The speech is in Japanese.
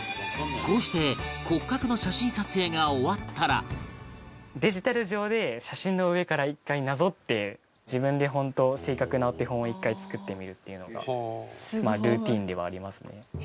こうして骨格のデジタル上で写真の上から一回なぞって自分で正確なお手本を一回作ってみるっていうのがルーティンではありますね。